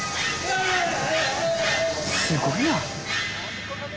すごいな。